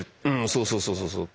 そうそうそうそうそう。